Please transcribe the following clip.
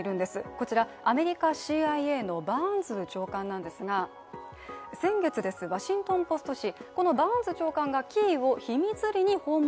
こちらアメリカＣＩＡのバーンズ長官なんですが、先月、「ワシントン・ポスト」紙。